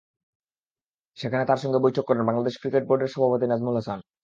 সেখানে তাঁর সঙ্গে বৈঠক করেন বাংলাদেশ ক্রিকেট বোর্ডের সভাপতি নাজমুল হাসান।